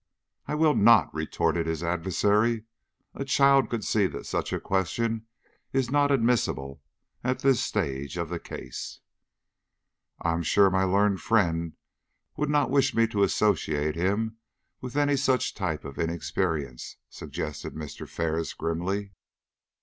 "I will not," retorted his adversary. "A child could see that such a question is not admissible at this stage of the case." "I am sure my learned friend would not wish me to associate him with any such type of inexperience?" suggested Mr. Ferris, grimly.